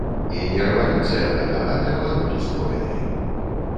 І не рэвалюцыя гэта, а пераварот узброены.